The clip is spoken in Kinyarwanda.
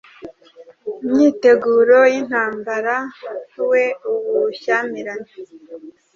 Imyiteguro yintambara we ubushyamirane